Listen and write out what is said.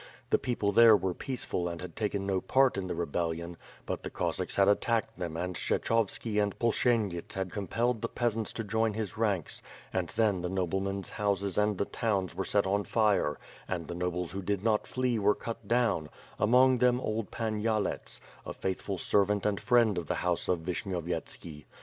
The people there were peaceful and had taken no part in the rebellion; but the Cossacks had attacked them and Kshechovski and Polk shenjits had compelled the peasants to join his ranks; and then the noblemen's houses and the towns were set on fire, and the nobles who did not fiee were cut down; among them old Pan Yalets, a faithful servant and friend of the house of Vishnyovyetski.